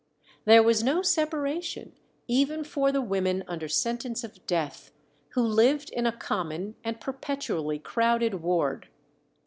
There was no separation even for the women under sentence of death, who lived in a common and perpetually crowded ward.